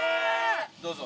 どうぞ。